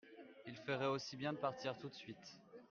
Ils feraient aussi bien de partir tout de suite.